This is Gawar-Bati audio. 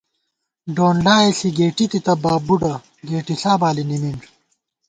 ڈونڈلائےݪی گېٹی تِتہ باب بُوڈہ، گېٹݪا بالی نِمِنݮ